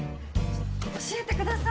教えてください。